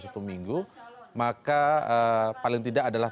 satu minggu maka paling tidak adalah